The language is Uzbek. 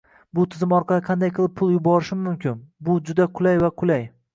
Bu tizim orqali qanday qilib pul yuborishim mumkin? Bu juda qulay va qulay